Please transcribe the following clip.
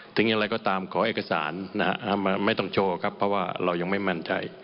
ถึงอย่างไรก็ตามขอเอกสารไม่ต้องโชว์ครับเพราะว่าเรายังไม่มั่นใจ